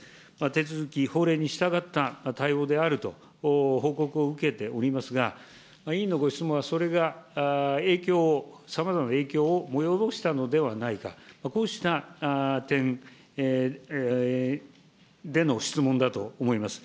手続き、法令に従った対応であると報告を受けておりますが、委員のご質問はそれが影響を、さまざまな影響を及ぼしたのではないか、こうした点での質問だと思います。